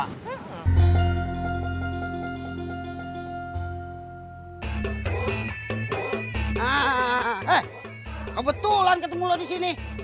hei kebetulan ketemu lu disini